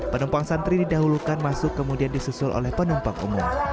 penumpang santri didahulukan masuk kemudian disusul oleh penumpang umum